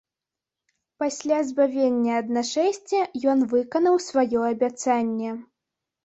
Пасля збавення ад нашэсця ён выканаў сваё абяцанне.